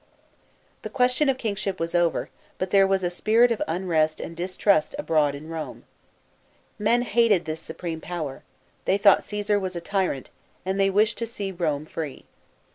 The question of kingship was over, but there was a spirit of unrest and distrust abroad in Rome. Men hated this supreme power ; they thought Coesar was a tyrant, and they wished to see Rome free.